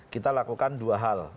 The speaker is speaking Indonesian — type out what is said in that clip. kita lakukan dua hal